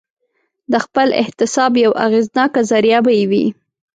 د خپل احتساب یوه اغېزناکه ذریعه به یې وي.